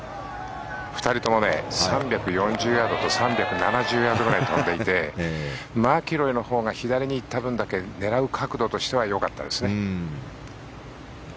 ２人とも３４０ヤードと３７０ヤードぐらい飛んでいてマキロイのほうが左に行った分だけ狙う角度としてはよかったですね。